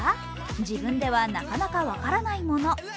自分ではなかなか分からないもの。